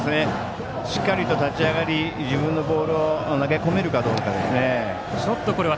しっかりと立ち上がり自分のボールを投げ込めるかどうかですね。